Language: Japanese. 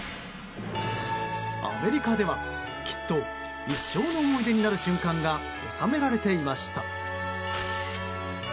アメリカでは、きっと一生の思い出になる瞬間が収められていました。